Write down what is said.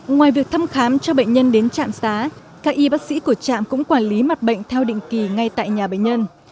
ngoài việc thăm khám cho bệnh nhân đến trạm xá các y bác sĩ của trạm cũng quản lý mặt bệnh theo định kỳ ngay tại nhà bệnh nhân